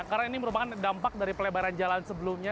karena ini merupakan dampak dari pelebaran jalan sebelumnya